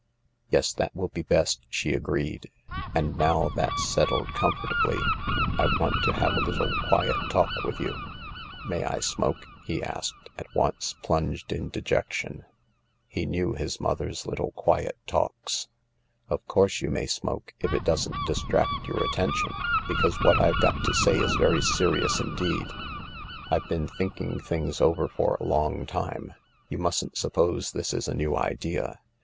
"Yes, that will be best," she agreed; "and now that's settled comfortably,I want to havealittle quiet talk with you." " May I smoke ?" he asked, at once plunged in dejec tion. He knew his mother's little quiet talks. " Of course you may smoke, if it doesn't distract your attention, because what I've got to say is very serious indeed. I've been thinking things over for a long time ; you mustn't suppose this is a new idea.